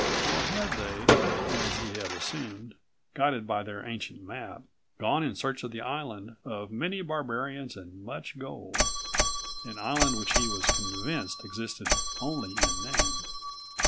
Or had they, as he had assumed, guided by their ancient map, gone in search of the island of "many barbarians and much gold," an island which he was convinced existed only in name?